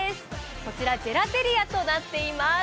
こちらジェラテリアとなっています。